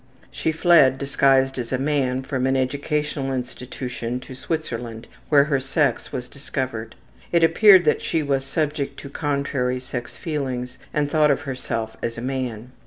She fled disguised as a man from an educational institution to Switzerland where her sex was discovered. It appeared that she was subject to contrary sex feelings and thought of herself as a man.